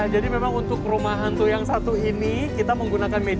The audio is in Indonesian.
jadi memang untuk rumah hantu yang satu ini kita menggunakan media kondisi